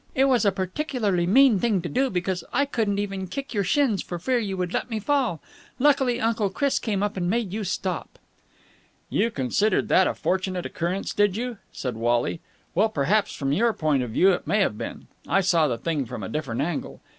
It was a particularly mean thing to do, because I couldn't even kick your shins for fear you would let me fall. Luckily Uncle Chris came up and made you stop." "You considered that a fortunate occurrence, did you?" said Wally. "Well, perhaps from your point of view it may have been. I saw the thing from a different angle.